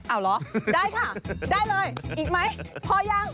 เอาเหรอได้ค่ะได้เลยอีกไหมพอยัง